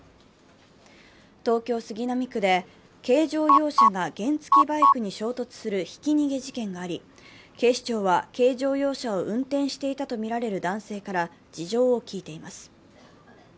東京・杉並区で軽乗用車が原付きバイクに衝突するひき逃げ事件があり、警視庁は軽乗用車を運転していたとみられる男性から事情を聴いています。